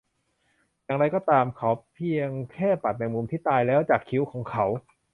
อย่างไรก็ตาม เขาแค่ปัดแมงมุมที่ตายแล้วจากคิ้วของเขา